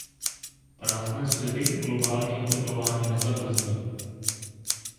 Prázdné sliby globální oteplování nezabrzdí.